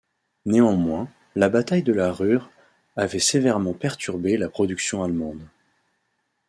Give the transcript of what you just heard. Néanmoins, la bataille de la Ruhr avait sévèrement perturbé la production allemande.